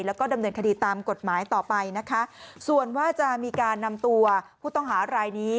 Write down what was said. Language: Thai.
แล้วก็ดำเนินคดีตามกฎหมายต่อไปนะคะส่วนว่าจะมีการนำตัวผู้ต้องหารายนี้